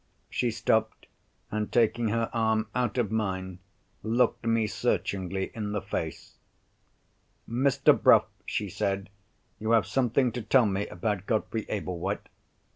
She stopped, and taking her arm out of mine, looked me searchingly in the face. "Mr. Bruff," she said, "you have something to tell me about Godfrey Ablewhite.